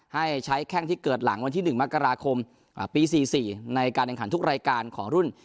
ให้ใช้แข่งที่เกิดหลังวันที่หนึ่งมกราคมอ่าปีสี่สี่ในการแข่งขันทุกรายการขอรุ่น